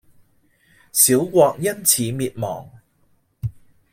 小國因此滅亡